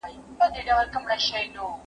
هغه د خلکو پوهاوی لوړاوه.